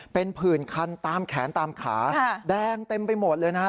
เป็นผื่นคันตามแขนตามขาแดงเต็มไปหมดเลยนะฮะ